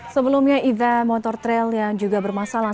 sebelumnya event motor trail yang juga bermasalah